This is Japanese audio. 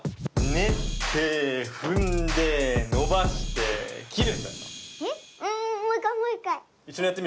ねってふんでのばしてきる！